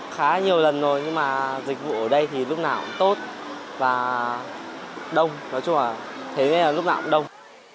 khá nhiều lần rồi nhưng mà dịch vụ ở đây thì lúc nào cũng tốt và đông nói chung là thế lúc nào cũng đông